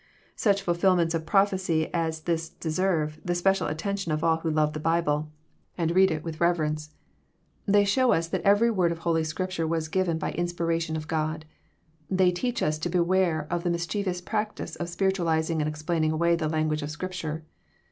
Such fulfilments of prophecy as this deserve the special attention of all who love the Bible and read it with JOHN, CHAP. XII. 325 reverence. They show us that every word of Holy Scrip ture was given by inspiration of God. They teach us to beware of the mischievous practice of spiritualizing and explaining away the language of Scripture.